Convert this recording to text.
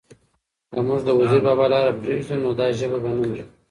که موږ د وزیر بابا لاره پرېږدو؛ نو دا ژبه به نه مري،